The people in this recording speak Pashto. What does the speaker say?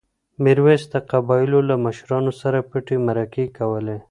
میرویس د قبایلو له مشرانو سره پټې مرکې کولې.